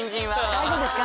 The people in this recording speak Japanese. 「大丈夫ですか？」